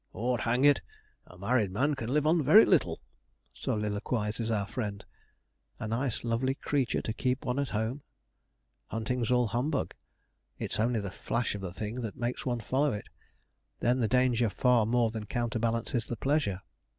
''Ord hang it! a married man can live on very little,' soliloquizes our friend. A nice lovely creature to keep one at home. Hunting's all humbug; it's only the flash of the thing that makes one follow it. Then the danger far more than counterbalances the pleasure.